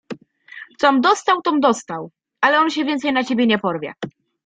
— Com dostał, tom dostał, ale on się więcej na ciebie nie porwie.